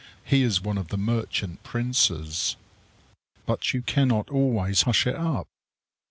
He is one of the merchant princes. But you cannot always hush it up.